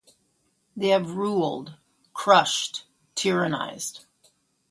They have ruled, crushed, tyrannised.